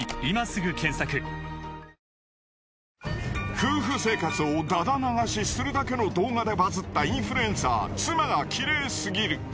夫婦生活をだだ流しするだけの動画でバズったインフルエンサー妻が綺麗過ぎる。